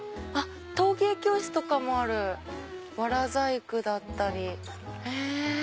陶芸教室とかもあるわら細工だったりへぇ。